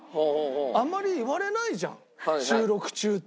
あまり言われないじゃん収録中って。